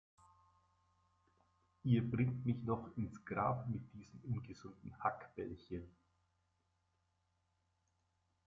Ihr bringt mich noch ins Grab mit diesen ungesunden Hackbällchen.